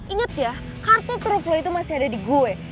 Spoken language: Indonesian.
ingat ya kartu truf lo itu masih ada di gue